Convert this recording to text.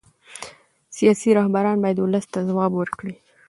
سیاسي رهبران باید ولس ته ځواب ورکړي